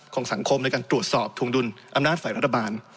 ของสังคมในการตรวจสอบทวงดุลอำนาจฝ่ายรัฐบาล